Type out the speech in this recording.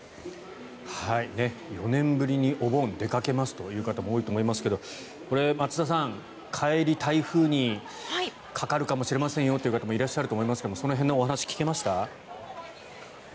４年ぶりにお盆、出かけますという方も多いと思いますが松田さん帰り、台風にかかるかもしれませんよという方もいらっしゃると思いますがその辺のお話、聞けました？